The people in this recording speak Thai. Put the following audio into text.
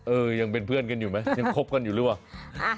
ยังเป็นเพื่อนกันอยู่ไหมยังคบกันอยู่หรือเปล่า